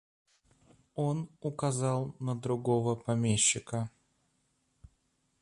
Он указал на другого помещика.